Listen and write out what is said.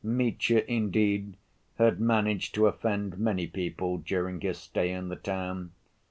Mitya, indeed, had managed to offend many people during his stay in the town.